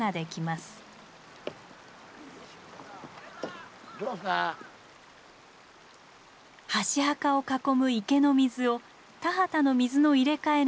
箸墓を囲む池の水を田畑の水の入れ替えのため抜きます。